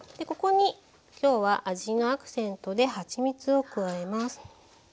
ここにきょうは味のアクセントではちみつを加えます。